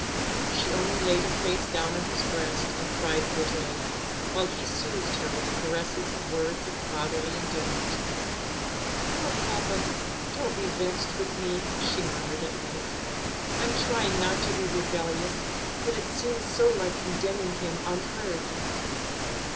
She only laid her face down on his breast and cried bitterly, while he soothed her with caresses and words of fatherly endearment. "Oh, papa, don't be vexed with me," she murmured at length. "I'm trying not to be rebellious, but it seems so like condemning him unheard."